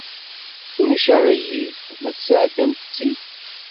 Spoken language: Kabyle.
Ulac aɣilif ma tesɛeddamt-tt-id?